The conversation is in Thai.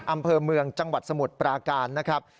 อำเภอเมืองจังหวัดสมุทรปราการนะครับ